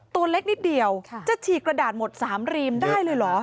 ตัวเล็กนิดเดียวจะฉีกกระดาษหมด๓รีมได้เลยเหรอ